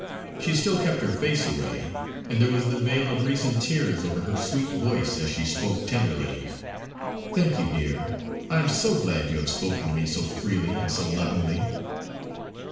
She still kept her face away; and there was the veil of recent tears over her sweet voice as she spoke tenderly: "Thank you, dear. I am so glad you have spoken to me so freely and so lovingly."